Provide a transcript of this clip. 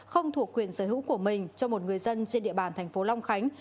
không thuộc quyền sở hữu của mình cho một người dân trên địa bàn tp long khánh